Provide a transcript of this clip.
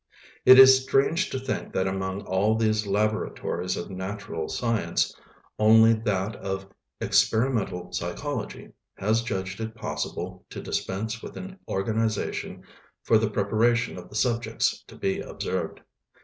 It is strange to think that among all these laboratories of natural science, only that of "experimental psychology" has judged it possible to dispense with an organization for the preparation of the subjects to be observed.